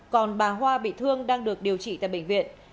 còn bà hoa bị thương đang được điều trị tại bệnh viện